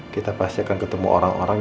kita pasti akan ketemu orang orang